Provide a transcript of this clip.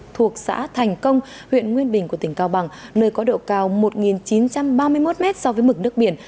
thuộc xã thành công huyện nguyên bình của tỉnh cao bằng nơi có độ cao một chín trăm ba mươi một m so với mực nước biển